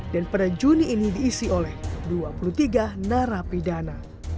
dan pada juni ini diisi oleh dua puluh tiga narapidana